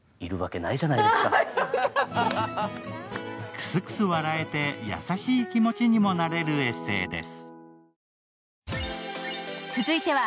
クスクス笑えて優しい気持ちにもなれるエッセーです。